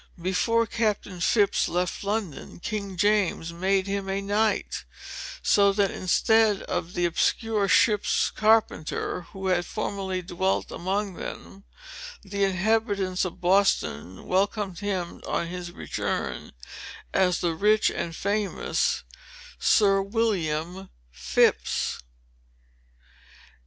Before Captain Phips left London, King James made him a knight; so that, instead of the obscure ship carpenter who had formerly dwelt among them, the inhabitants of Boston welcomed him on his return, as the rich and famous Sir William Phips.